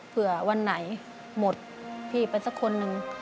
เผื่อวันไหนหมดพี่ไปสักคนหนึ่ง